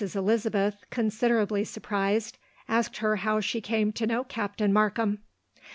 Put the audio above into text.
Elizabeth, considerably surprised, asked her how she came to know Captain Markham.